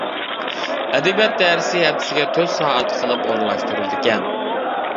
ئەدەبىيات دەرسى ھەپتىسىگە تۆت سائەت قىلىپ ئورۇنلاشتۇرۇلىدىكەن.